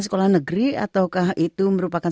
sekolah negeri ataukah itu merupakan